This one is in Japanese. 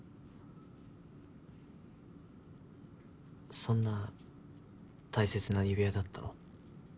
そんな大切な指輪だったの？